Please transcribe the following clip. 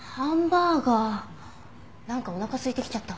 なんかおなかすいてきちゃった。